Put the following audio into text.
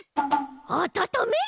あたためる！？